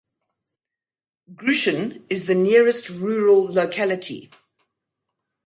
Grushin is the nearest rural locality.